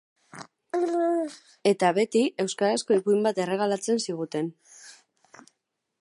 Eta, beti, euskarazko ipuin bat erregalatzen ziguten.